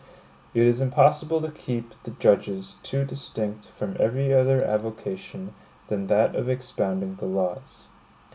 It is impossible to keep the judges too distinct from every other avocation than that of expounding the laws.